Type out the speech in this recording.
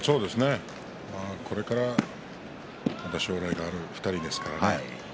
これから将来がある２人ですから。